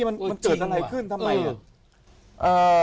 มันเจิดอะไรขึ้นทำไม